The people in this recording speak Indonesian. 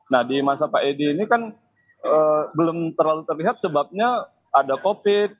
nah di masa pak edi ini kan belum terlalu terlihat sebabnya ada covid